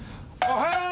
おはよう。